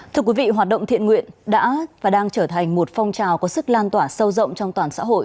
thưa quý vị hoạt động thiện nguyện đã và đang trở thành một phong trào có sức lan tỏa sâu rộng trong toàn xã hội